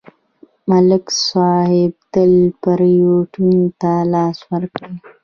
ملک صاحب تل پرېوتو ته لاس ورکړی.